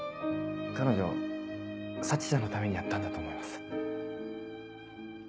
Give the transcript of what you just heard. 彼女沙智ちゃんのためにやったんだと思います。